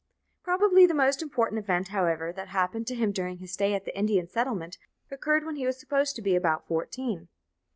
Probably the most important event, however, that happened to him during his stay at the Indian settlement occurred when he was supposed to be about fourteen.